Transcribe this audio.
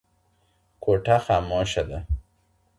کوټه خاموشه ده.